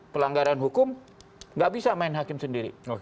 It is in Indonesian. pelanggaran hukum nggak bisa main hakim sendiri